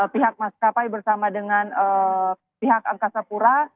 pihak maskapai bersama dengan pihak angkasa pura